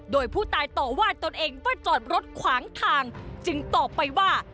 โดยผู้ตายต่อว่าตนเองว่าจอดรถขวางทางจึงตอบไปว่า